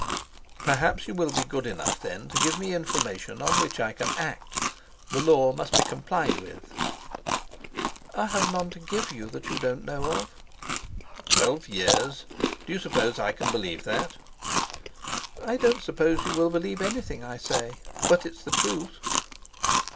"Perhaps you will be good enough, then, to give me information on which I can act. The law must be complied with." "I have none to give you that you don't know of." "Twelve years! Do you suppose I can believe that?" "I don't suppose you will believe anything I say; but it's the truth."